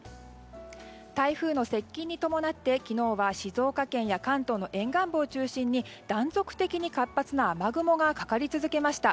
台風の接近に伴って昨日は静岡県や、関東の沿岸部を中心に断続的に活発な雨雲がかかり続けました。